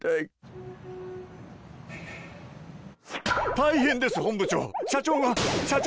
大変です本部長！